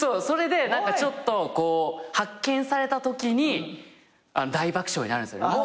それでちょっとこう発見されたときに大爆笑になるんすよ。